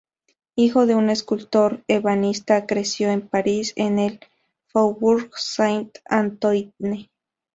Hijo de un escultor-ebanista, creció en París, en el Faubourg Saint-Antoine.